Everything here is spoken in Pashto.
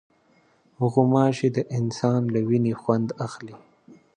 غوماشې د انسان له وینې خوند اخلي.